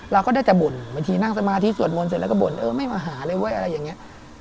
เราก็ได้แต่บ่นบางทีนั่งสมาธิสวดมนต์เสร็จแล้วก็บ่นเออไม่มาหาเลยเว้ยอะไรอย่างนี้